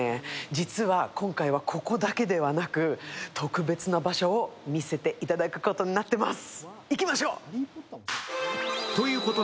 実は今回はここだけではなく特別な場所を見せていただくことになっています。